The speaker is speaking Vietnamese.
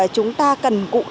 chúng ta cần